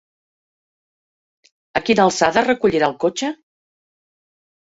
A quina alçada recollirà el cotxe?